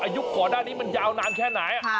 อายุขอด้านนี้ตายนานแค่ไหน